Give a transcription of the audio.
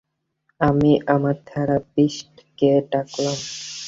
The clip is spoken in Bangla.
আমি আমার থেরাপিস্টকে ডাকলাম।